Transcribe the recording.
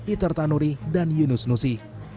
iter tanuri dan yunus nusi